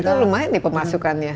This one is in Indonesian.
itu lumayan nih pemasukannya